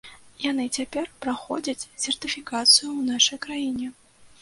Яны цяпер праходзяць сертыфікацыю ў нашай краіне.